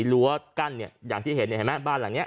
รั้วกั้นเนี่ยอย่างที่เห็นเนี่ยเห็นไหมบ้านหลังนี้